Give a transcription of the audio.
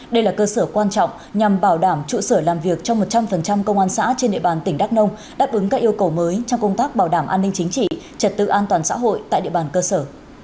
đây là cơ sở quan trọng nhằm bảo đảm trụ sở làm việc trong một trăm linh công an xã trên địa bàn tỉnh đắk nông đáp ứng các yêu cầu mới trong công tác bảo đảm an ninh chính trị trật tự an toàn xã hội tại địa bàn cơ sở